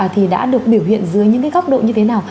thì đã được biểu hiện dưới những cái góc độ như thế nào